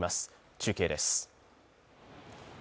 中継です。